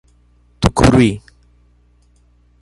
Tucuruí